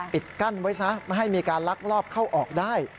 ปิดกั้นไว้ซะไม่ให้มีการลักลอบเข้าออกได้